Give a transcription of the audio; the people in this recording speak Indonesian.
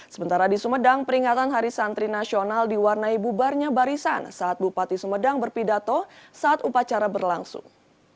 sementara di sumedang peringatan hari santri nasional diwarnai bubarnya barisan saat bupati sumedang berpidato saat upacara berlangsung